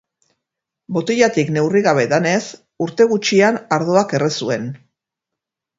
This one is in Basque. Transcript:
Botilatik neurri gabe edanez urte gutxian ardoak erre zuen.